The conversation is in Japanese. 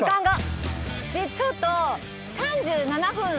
ちょっと３７分。